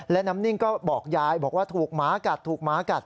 และน้ำนิ่งก็บอกยายบอกว่าถูกหมากัดถูกหมากัด